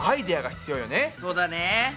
そうだね。